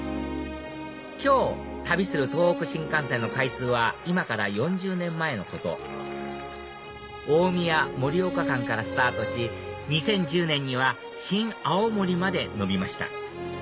今日旅する東北新幹線の開通は今から４０年前のこと大宮−盛岡間からスタートし２０１０年には新青森まで延びました